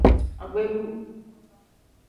Agbeebu.